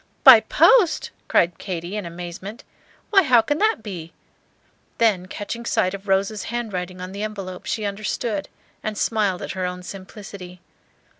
"By post!" cried Katy, in amazement; "why, how can that be?" Then catching sight of Rose's handwriting on the envelope, she understood, and smiled at her own simplicity.